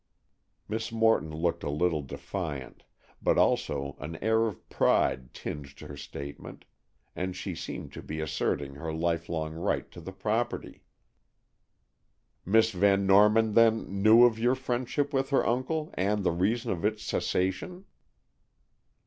Miss Morton looked a little defiant, but also an air of pride tinged her statement, and she seemed to be asserting her lifelong right to the property. "Miss Van Norman, then, knew of your friendship with her uncle, and the reason of its cessation?"